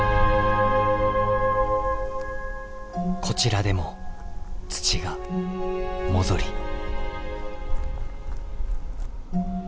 こちらでも土がもぞり。